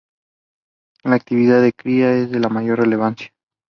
La actividad de cría es la de mayor relevancia.